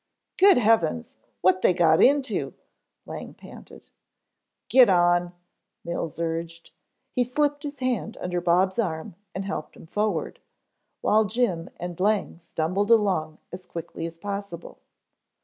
"Good Heavens, what they got into?" Lang panted. "Get on," Mills urged. He slipped his hand under Bob's arm and helped him forward, while Jim and Lang stumbled along as quickly as possible.